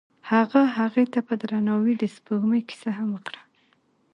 هغه هغې ته په درناوي د سپوږمۍ کیسه هم وکړه.